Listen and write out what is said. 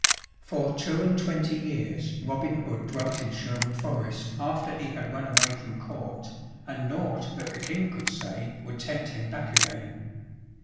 For two and twenty years Robin Hood dwelt in Sherwood forest after he had run away from court, and naught that the King could say would tempt him back again.